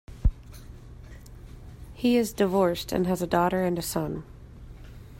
He is divorced and has a daughter and a son.